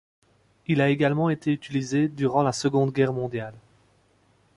Il a également été utilisé durant la Seconde Guerre mondiale.